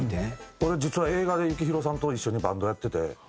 俺実は映画で幸宏さんと一緒にバンドやってて。